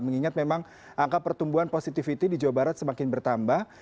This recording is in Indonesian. mengingat memang angka pertumbuhan positivity di jawa barat semakin bertambah